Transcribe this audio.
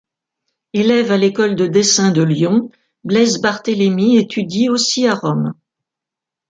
Élève à l’école de dessin de Lyon, Blaise Barthélémy étudie aussi à Rome.